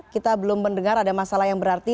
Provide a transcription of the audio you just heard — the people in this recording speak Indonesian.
kita belum mendengar ada masalah yang berarti